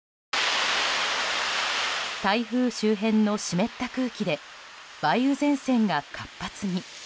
台風周辺の湿った空気で梅雨前線が活発に。